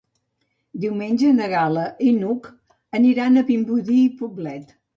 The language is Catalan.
Diumenge na Gal·la i n'Hug aniran a Vimbodí i Poblet.